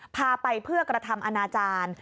พาไปเพื่อกระทำอนาจารย์